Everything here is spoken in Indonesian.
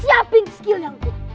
siapin skill yang kuat